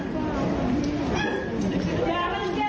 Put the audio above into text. สวัสดีครับคุณผู้ชาย